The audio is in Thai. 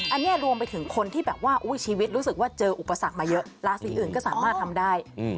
อันนี้รวมไปถึงคนที่แบบว่าชีวิตรู้สึกว่าเจออุปสรรคมาเยอะราศีอื่นก็สามารถทำได้